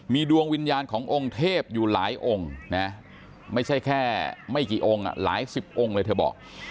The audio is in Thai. มีดวงวิญญาณขององค์เทพอยู่หลายองค์นะไม่ใช่แค่ไม่กี่องค์หลายสิบองค์เลยเธอบอก